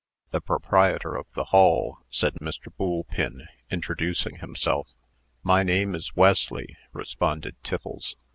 "The proprietor of the hall," said Mr. Boolpin, introducing himself. "My name is Wesley," responded Tiffles.